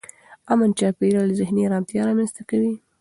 امن چاپېریال ذهني ارامتیا رامنځته کوي.